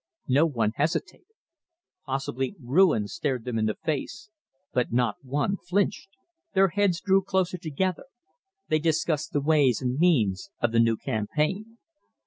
No one hesitated. Possibly ruin stared them in the face, but not one flinched. Their heads drew closer together. They discussed the ways and means of the new campaign.